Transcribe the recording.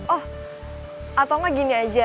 oh atau enggak gini aja